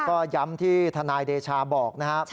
ก็ย้ำที่ทนายเดชาบอกนะครับ